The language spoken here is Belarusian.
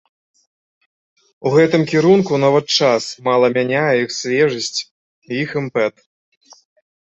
У гэтым кірунку нават час мала мяняе іх свежасць, іх імпэт.